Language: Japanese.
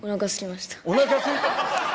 おなかすいた？